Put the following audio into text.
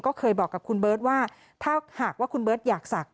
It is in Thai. ก็เคยบอกกับคุณเบิร์ตว่าถ้าหากว่าคุณเบิร์ตอยากศักดิ